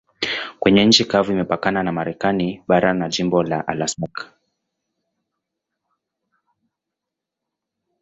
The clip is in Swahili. Kwenye nchi kavu imepakana na Marekani bara na jimbo la Alaska.